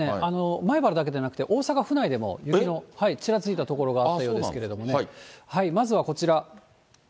米原だけじゃなくて、大阪府内でも雪のちらついたところがあったようですけれども、まずはこちら。